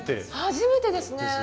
初めてですよね。